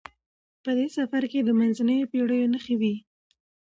په دې سفر کې د منځنیو پیړیو نښې وې.